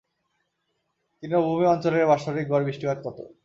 তৃণভূমি অঞ্চলের বাৎসরিক গড় বৃষ্টিপাত কত?